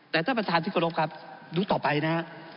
แต่ท่านประธานที่กรบครับดูต่อไปนะฮะ